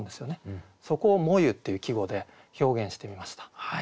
そこを「炎ゆ」っていう季語で表現してみました。